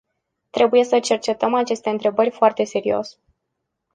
Trebuie să cercetăm aceste întrebări foarte serios.